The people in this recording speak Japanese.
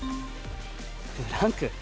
ブランク？